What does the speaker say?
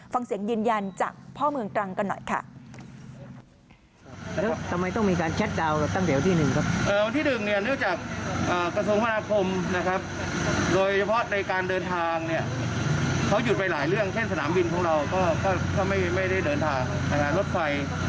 ฟังเสียงยืนยันจากพ่อเมืองตรังกันหน่อยค่ะ